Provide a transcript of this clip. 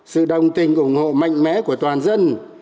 sự đồng tình ủng hộ mạnh mẽ của toàn dân